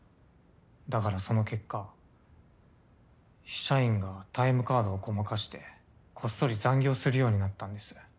だからその結果社員がタイムカードをごまかしてこっそり残業するようになったんです。